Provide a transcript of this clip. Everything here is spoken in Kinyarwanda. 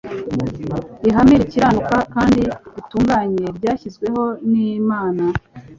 Ihame rikiranuka kandi ritunganye ryashyizweho n'Imana,